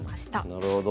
なるほど。